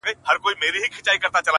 ته نو اوس راسه؛ له دوو زړونو تار باسه؛